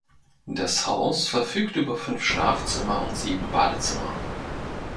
Das Haus verfügt über fünf Schlafzimmer und sieben Badezimmer.